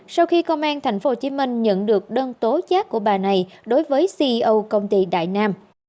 sau khi công an tp hcm nhận được đơn tố giác của bà này đối với ceo công ty đại nam